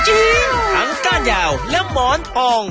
จริงทั้งก้านยาวและหมอนทอง